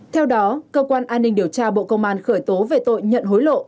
theo đó cơ quan an ninh điều tra bộ công an khởi tố về tội nhận hối lộ